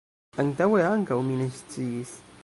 Antaŭe ankaŭ mi ne sciis.